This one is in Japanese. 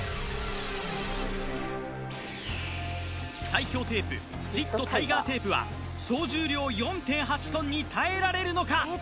最強テープジットタイガーテープは総重量４．８ｔに耐えられるのか？